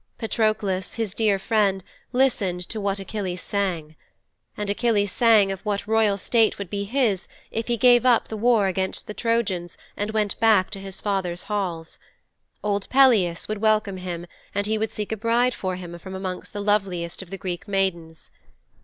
Patroklos, his dear friend, listened to what Achilles sang. And Achilles sang of what royal state would be his if he gave up the war against the Trojans and went back to his father's halls old Peleus would welcome him, and he would seek a bride for him from amongst the loveliest of the Greek maidens.